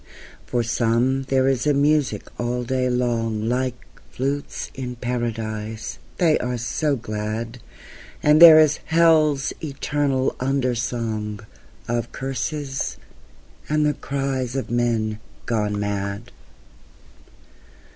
For some there is a music all day long Like flutes in Paradise, they are so glad; And there is hell's eternal under song Of curses and the cries of men gone mad.